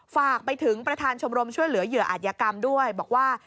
ฝากไปถึงประธานชมรมช่วยเหลือเหยื่ออาจยกรรมด้วยบอกว่า